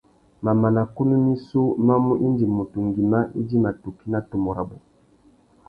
Mamana kunú missú má mú indi mutu ngüimá idjima tukí nà tumu rabú.